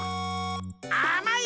あまい！